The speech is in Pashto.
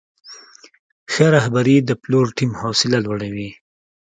ښه رهبري د پلور ټیم حوصله لوړوي.